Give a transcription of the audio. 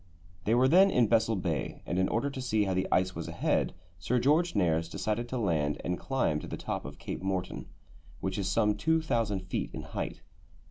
They were then in Bessel Bay, and in order to see how the ice was ahead, Sir George Nares decided to land and climb to the top of Cape Morton, which is some 2000 feet in height.